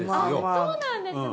そうなんですね。